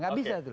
gak bisa itu